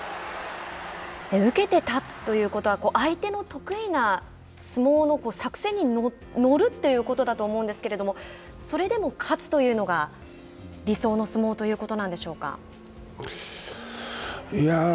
受けて立つということは相手の得意な相撲の作戦に乗るということだと思うんですけれどもそれでも勝つというのが理想の相撲ということなんでしょうか。